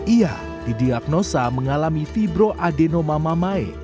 ia didiagnosa mengalami fibroadenomammae